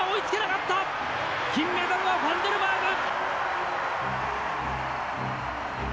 金メダルはファンデルバーグ。